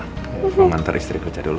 gue mau manta istri kerja dulu